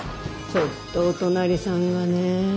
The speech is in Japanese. ちょっとお隣さんがねえ。